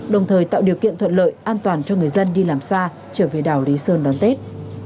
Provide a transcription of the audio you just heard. đồng thời tạo điều kiện thuận lợi an toàn cho người dân đi làm xa trở về đảo lý sơn đón tết